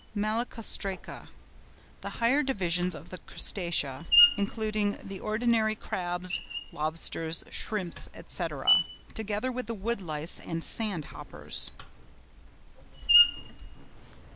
MALACOSTRACA.—The higher division of the Crustacea, including the ordinary crabs, lobsters, shrimps, &c., together with the woodlice and sand hoppers.